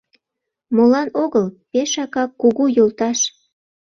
Молан огыл — пешакак кугу йолташ.